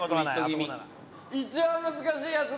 村上：一番難しいやつだ！